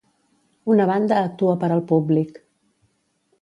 Una banda actua per al públic.